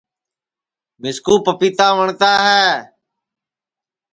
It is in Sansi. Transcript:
مِسکُو پَپیتا وٹؔتا ہے